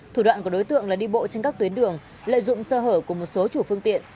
thủ đoạn của đối tượng là đi bộ trên các tuyến đường lợi dụng sơ hở của một số chủ phương tiện